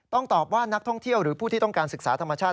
ตอบว่านักท่องเที่ยวหรือผู้ที่ต้องการศึกษาธรรมชาติ